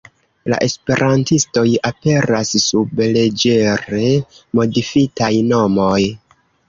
La esperantistoj aperas sub leĝere modifitaj nomoj.